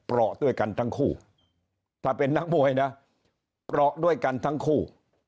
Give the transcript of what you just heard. เพราะด้วยกันทั้งคู่ถ้าเป็นนักมวยนะเปราะด้วยกันทั้งคู่